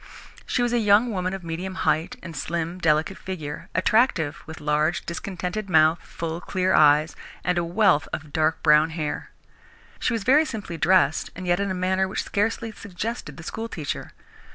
She was a young woman of medium height and slim, delicate figure, attractive, with large, discontented mouth, full, clear eyes and a wealth of dark brown hair. She was very simply dressed and yet in a manner which scarcely suggested the school teacher.